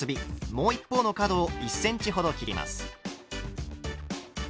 もう一方の角を１ｃｍほど切ります。